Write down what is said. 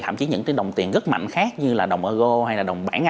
thậm chí những đồng tiền rất mạnh khác như là đồng eur hay đồng bn